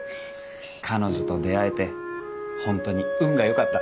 彼女と出会えて本当に運が良かった。